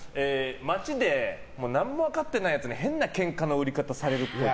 街で何も分かっていないやつに変なケンカの売り方されるっぽい。